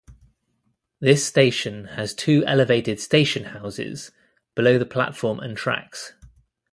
This station has two elevated station houses below the platforms and tracks.